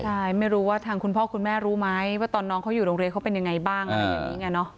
ใช่ไม่รู้ว่าทางคุณพ่อคุณแม่รู้ไหมว่าตอนน้องเขาอยู่โรงเรียนเขาเป็นยังไงบ้างอะไรอย่างนี้ไงเนอะ